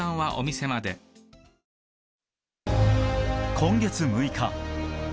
今月６日。